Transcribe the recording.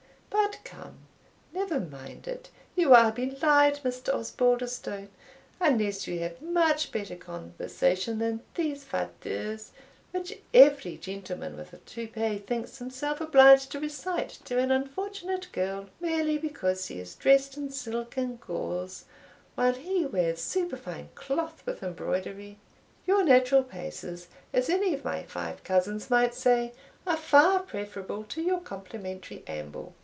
But come, never mind it You are belied, Mr. Osbaldistone, unless you have much better conversation than these fadeurs, which every gentleman with a toupet thinks himself obliged to recite to an unfortunate girl, merely because she is dressed in silk and gauze, while he wears superfine cloth with embroidery. Your natural paces, as any of my five cousins might say, are far preferable to your complimentary amble.